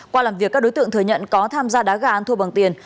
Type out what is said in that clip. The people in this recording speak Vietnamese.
qua làm việc các đối tượng thừa nhận có tham gia đá gà ăn thua bằng tiền